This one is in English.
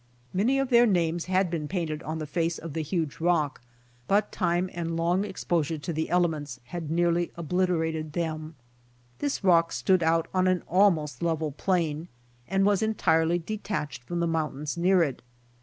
Many of their names had been painted on the face of the huge rock, but time and long exposure to the elements had nearly obliterated them. 84 BY ox TEAM TO CALIFORNIA This rock stood out on almost a level plain and was entirely detached from the mountains near it.